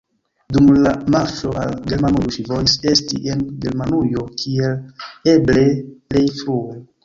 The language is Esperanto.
Dum la marŝo al Germanujo ŝi volis esti en Germanujo kiel eble plej frue.